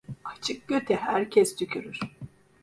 Açık göte herkes tükürür.